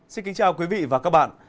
xin kính chào quý vị và các bạn